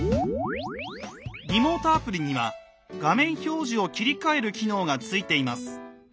リモートアプリには画面表示を切り替える機能がついています。